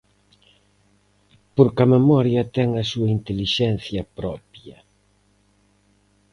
Porque a memoria ten a súa intelixencia propia.